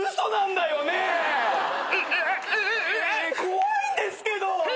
怖いんですけど！